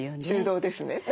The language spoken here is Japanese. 中道ですね。